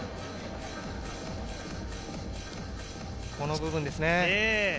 この部分ですね。